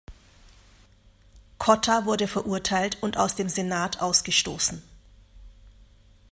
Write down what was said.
Cotta wurde verurteilt und aus dem Senat ausgestoßen.